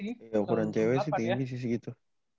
iya ukuran cewe sih tinggi sih gitu